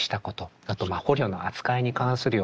あと捕虜の扱いに関するようなこと。